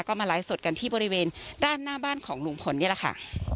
ก็มาไลฟ์สดกันที่บริเวณด้านหน้าบ้านของลุงพลนี่แหละค่ะ